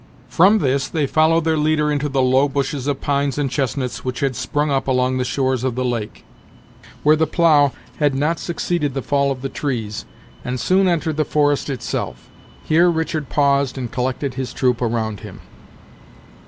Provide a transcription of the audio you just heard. From this they followed their leader into the low bushes of pines and chestnuts which had sprung up along the shores of the lake, where the plough had not succeeded the fall of the trees, and soon entered the forest itself. Here Richard paused and collected his troop around him.